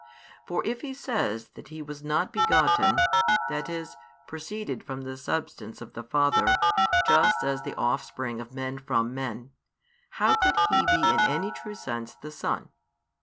For if he says that He was not begotten, that is, proceeded from the Substance of the Father, just as the offspring of men from men, how could He be in any true sense the Son?